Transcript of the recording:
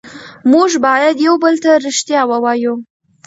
موږ باید یو بل ته ریښتیا ووایو